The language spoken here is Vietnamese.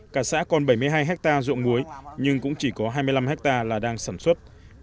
cả xã còn bảy mươi hai hectare dụng muối nhưng cũng chỉ có hai mươi năm hectare là đang sản xuất